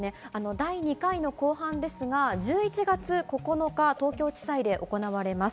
第２回の公判ですが１１月９日、東京地裁で行われます。